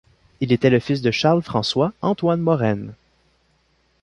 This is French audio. Il était le fils de Charles François Antoine Morren.